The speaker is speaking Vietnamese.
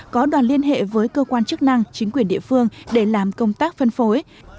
có đoàn liên hệ với cơ quan chức năng chính quyền địa phương để làm công tác phân phối